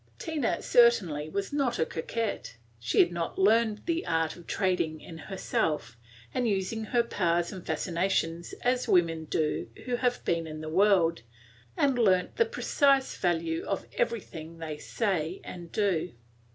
Tina certainly was not a coquette; she had not learned the art of trading in herself, and using her powers and fascinations as women do who have been in the world, and learnt the precise value of everything that they say and do.